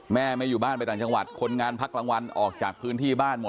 แม่ไม่อยู่บ้านไปต่างจังหวัดคนงานพักกลางวันออกจากพื้นที่บ้านหมด